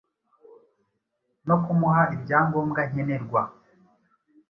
no kumuha ibyangombwa nkenerwa,